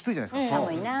寒いな。